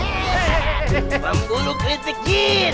pembunuh kritik jin